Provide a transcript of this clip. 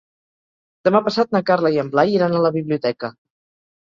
Demà passat na Carla i en Blai iran a la biblioteca.